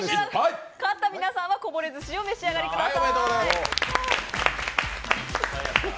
勝った皆さんはこぼれ寿司をお召し上がりください。